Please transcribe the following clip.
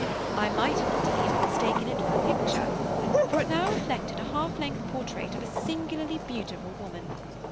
I might, indeed, have mistaken it for a picture; for it now reflected a half length portrait of a singularly beautiful woman.